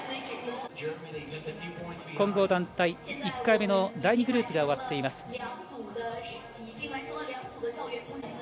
混合団体、１回目の第２グループが終わっています。